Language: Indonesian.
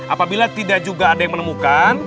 apabila tidak juga ada yang menemukan